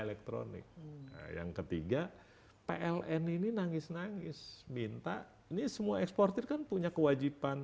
elektronik yang ketiga pln ini nangis nangis minta ini semua eksportir kan punya kewajiban